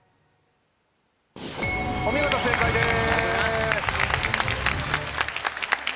お見事正解です。